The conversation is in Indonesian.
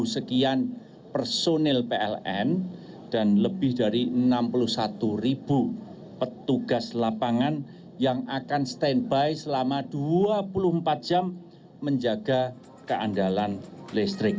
sekian personil pln dan lebih dari enam puluh satu ribu petugas lapangan yang akan standby selama dua puluh empat jam menjaga keandalan listrik